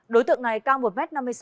đối tượng này cao một m năm mươi sáu